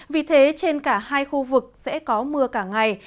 vì thế trên cả hai khu vực sẽ có mưa cả ngày